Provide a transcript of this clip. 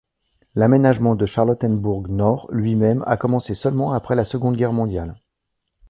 L'aménagement de Charlottenbourg-Nord lui-même a commencé seulement après la Seconde Guerre mondiale.